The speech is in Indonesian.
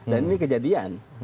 dan ini kejadian